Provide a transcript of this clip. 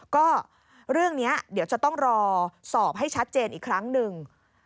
ก็เรื่องนี้เดี๋ยวจะต้องรอสอบให้ชัดเจนอีกครั้งหนึ่ง